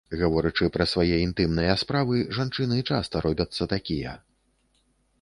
Гаворачы пра свае інтымныя справы, жанчыны часта робяцца такія.